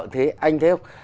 thì anh thấy không